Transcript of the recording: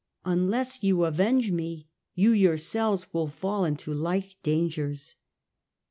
Unless you avenge me, you yourselves will fall into like dangers."